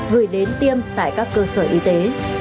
gửi đến tiêm tại các cơ sở y tế